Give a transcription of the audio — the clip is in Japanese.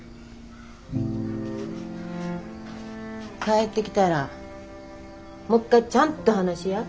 帰ってきたらもっかいちゃんと話しや。